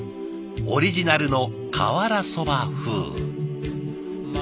オリジナルの瓦そば風。